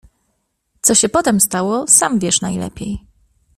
Co się potem stało, sam wiesz najlepiej.